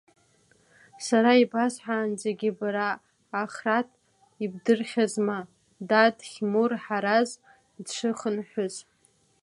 Сара ибасҳәаанӡагьы бара ахраҭ ибдырхьазма, дад, Хьмур, Ҳараз дшыхынҳәыз.